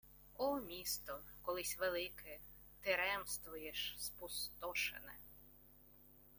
О місто, колись велике! Ти ремствуєш, спустошене